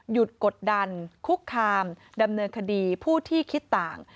กดดันคุกคามดำเนินคดีผู้ที่คิดต่าง